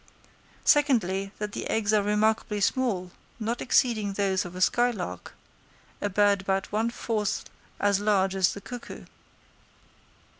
Secondly, that the eggs are remarkably small, not exceeding those of the skylark—a bird about one fourth as large as the cuckoo.